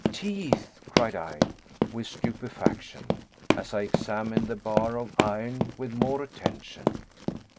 "Teeth!" cried I, with stupefaction, as I examined the bar of iron with more attention.